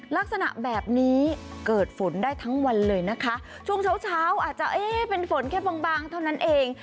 ลักษณะแบบนี้เกิดฝนได้ทั้งวันเลยนะคะช่วงเช้าเช้าอาจจะเอ๊ะเป็นฝนแค่บางบางเท่านั้นเอง